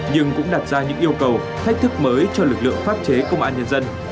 nhưng cũng đặt ra những yêu cầu thách thức mới cho lực lượng pháp chế công an nhân dân